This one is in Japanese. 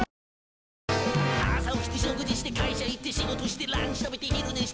「朝起きて食事して会社行って仕事してランチ食べて昼寝して」